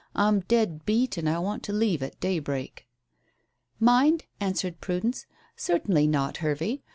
I'm dead beat, and I want to leave at daybreak." "Mind?" answered Prudence; "certainly not, Hervey.